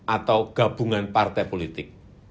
atau gabungan partai politik